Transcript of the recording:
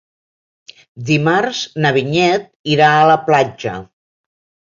Dimarts na Vinyet irà a la platja.